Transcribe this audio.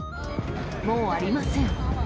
もうありません。